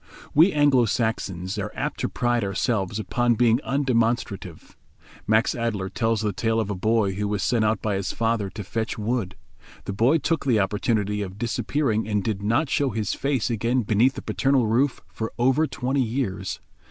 We Anglo Saxons are apt to pride ourselves upon being undemonstrative. Max Adeler tells the tale of a boy who was sent out by his father to fetch wood. The boy took the opportunity of disappearing and did not show his face again beneath the paternal roof for over twenty years.